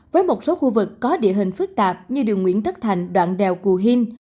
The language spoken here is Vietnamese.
với một số khu vực có địa hình phức tạp như đường nguyễn thất thành đoạn đèo cù hinh